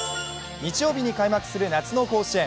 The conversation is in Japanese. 日曜日に開幕する夏の甲子園。